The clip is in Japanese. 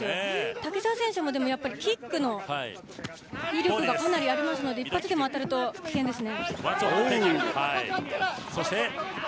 瀧澤選手もキックの威力がかなりありますので一発でも当たると危険ですね。